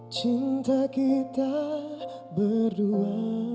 cinta kita berdua